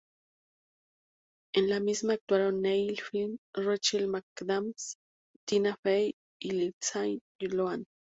En la misma actuaron Neil Flynn, Rachel McAdams, Tina Fey y Lindsay Lohan.